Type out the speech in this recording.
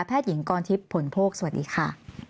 แพทย์หญิงกรทิปผลโภคสวัสดีค่ะ